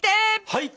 はい！